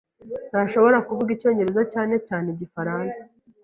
Ntashobora kuvuga icyongereza, cyane cyane igifaransa.